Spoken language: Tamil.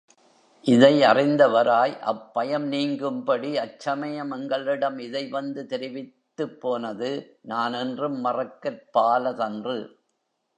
இதை அறிந்தவராய், அப் பயம் நீங்கும்படி அச்சமயம் எங்களிடம் இதை வந்து தெரிவித்துப் போனது நான் என்றும் மறக்கற்பாலதன்று.